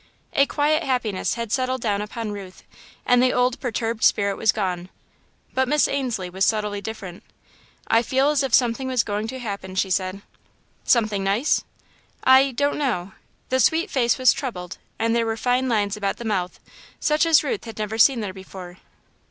A quiet happiness had settled down upon Ruth and the old perturbed spirit was gone, but Miss Ainslie was subtly different. "I feel as if something was going to happen," she said. "Something nice?" "I don't know." The sweet face was troubled and there were fine lines about the mouth, such as Ruth had never seen there before.